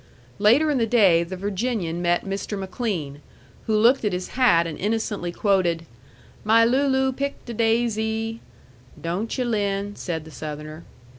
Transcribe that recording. Later in the day the Virginian met Mr. McLean, who looked at his hat and innocently quoted, "'My Looloo picked a daisy.'" "Don't yu', Lin," said the Southerner.